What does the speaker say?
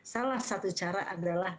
salah satu cara adalah